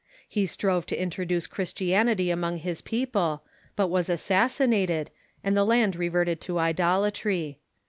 He strove to introduce Christianity among his people, but was assassinated, and the land reverted to idolatiy.